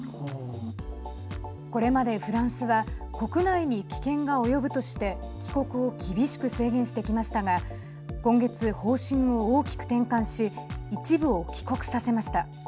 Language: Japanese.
これまで、フランスは国内に危険が及ぶとして帰国を厳しく制限してきましたが今月、方針を大きく転換し一部を帰国させました。